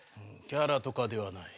キャラとかではない。